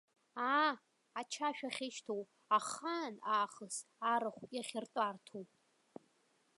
Аа, ачашә ахьышьҭоу, ахаан аахыс арахә иахьыртәарҭоу!